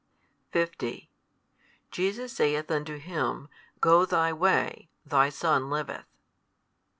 50 Jesus saith unto him, Go thy way; thy son liveth.